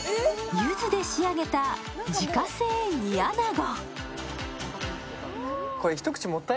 ゆずで仕上げた自家製煮穴子。